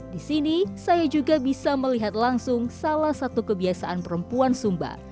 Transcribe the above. di sini saya juga bisa melihat langsung salah satu kebiasaan perempuan sumba